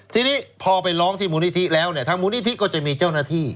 ทีนี้พอไปร้องที่มูลนิธิแล้วเนี่ยทางมูลนิธิก็จะมีเจ้าหน้าที่